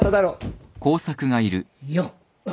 よっ。